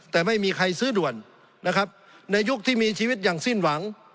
แต่ไม่มีใครซื้อด่วนนะครับในยุคที่มีชีวิตอย่างสิ้นหวัง